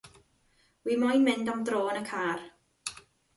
Wi moyn mynd am dro yn car.